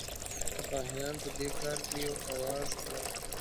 سپاهیان په دې کار کې یو آواز کړه.